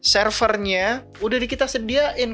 servernya udah kita sediain